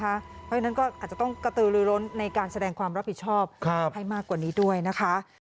เพราะฉะนั้นก็อาจจะต้องกระตือลือล้นในการแสดงความรับผิดชอบให้มากกว่านี้ด้วยนะคะ